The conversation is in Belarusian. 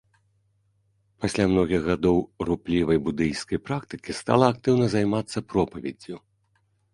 Пасля многіх гадоў руплівай будыйскай практыкі стала актыўна займацца пропаведдзю.